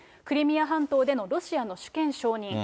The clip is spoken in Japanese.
クリミア半島でのロシアの主権承認。